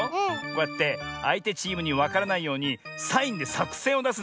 こうやってあいてチームにわからないようにサインでさくせんをだすんだね。